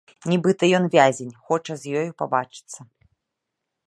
Нібыта ён вязень, хоча з ёю пабачыцца.